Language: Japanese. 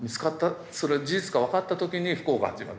その事実が分かった時に不幸が始まる。